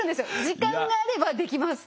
時間があればできます。